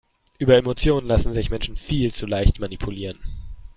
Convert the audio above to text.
Über Emotionen lassen sich Menschen viel zu leicht manipulieren.